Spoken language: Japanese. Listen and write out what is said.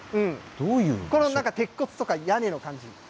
この鉄骨とか屋根の感じ。